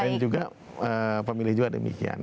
dan juga pemilih juga demikian